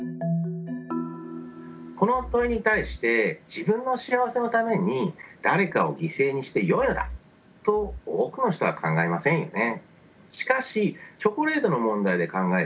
この問いに対して自分の幸せのために誰かを犠牲にしてよいのだと多くの人は考えませんよね。